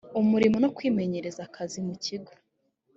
umurimo no kwimenyereza akazi mu kigo